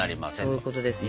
そういうことですね。